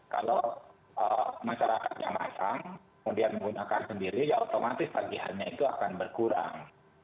kalau masyarakatnya masang kemudian menggunakan sendiri ya otomatis tagihannya itu akan berkurang